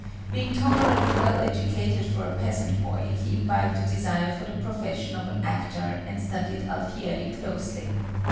Being tolerably well educated for a peasant boy, he imbibed a desire for the profession of an actor, and studied Alfieri closely.